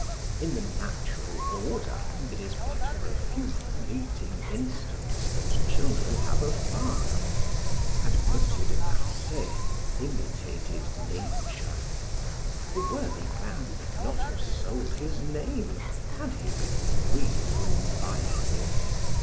In the natural order, it is but for a few fleeting instants that children have a father, and M. de Marsay imitated nature. The worthy man would not have sold his name had he been free from vices.